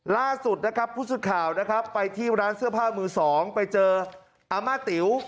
ล่าสุดนะครับผู้สื่อข่าวนะครับไปที่ร้านเสื้อผ้ามือสองไปเจออาม่าติ๋ว